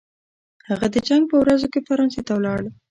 هغه د جنګ په ورځو کې فرانسې ته ولاړ.